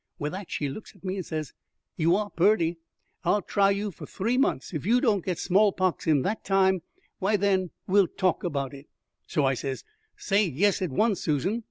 Wi' that she looks at me, and she says, 'You are purty, and I'll try you for three months; if you don't get small pox in that time, why then we'll talk about it.' So I says, 'Say yes at once, Susan.